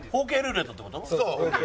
そう。